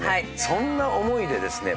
そんな思いでですね